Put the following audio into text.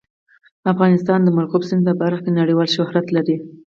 افغانستان د مورغاب سیند په برخه کې نړیوال شهرت لري.